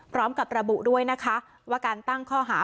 พร้อมกับระบุด้วยนะคะว่าการตั้งข้อหา